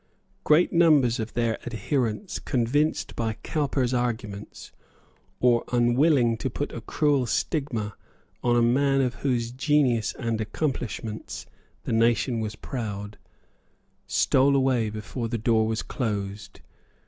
Great numbers of their adherents, convinced by Cowper's arguments, or unwilling to put a cruel stigma on a man of whose genius and accomplishments the nation was proud, stole away before the door was closed.